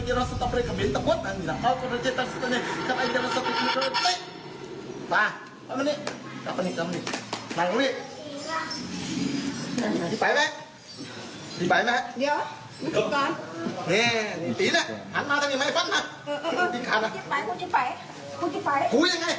เขาสั่งพูดพูดตรงนี้